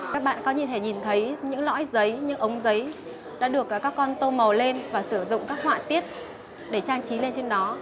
các bạn có nhìn thấy nhìn thấy những lõi giấy những ống giấy đã được các con tô màu lên và sử dụng các họa tiết để trang trí lên trên nó